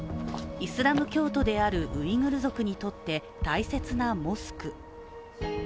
イスラム教徒であるウイグル族にとって大切なモスク。